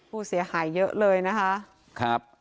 ผู้เสียหายเยอะเลยนะคะครับ